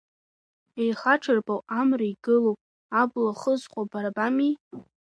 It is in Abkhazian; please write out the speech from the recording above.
Еихаҽырбо амра игыло, абла хызкуа бара бами?